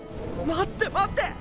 待って待って！